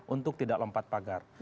untuk tidak lompat pagar